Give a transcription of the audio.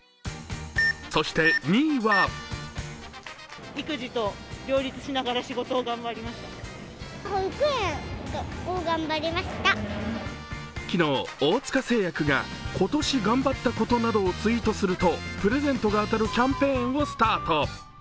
そして２位は昨日、大塚製薬が、今年頑張ったことなどをツイートするとプレゼントが当たるキャンペーンをスタート。